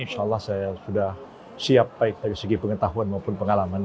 insya allah saya sudah siap baik dari segi pengetahuan maupun pengalaman